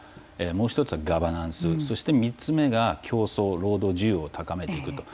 もう一つはガバナンスそして３つ目が競争労働需要を高めていくと。